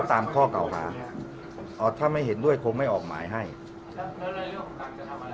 อ๋อขออนุญาตเป็นในเรื่องของการสอบสวนปากคำแพทย์ผู้ที่เกี่ยวข้องให้ชัดแจ้งอีกครั้งหนึ่งนะครับ